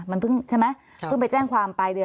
มันเพิ่งใช่ไหมเพิ่งไปแจ้งความปลายเดือน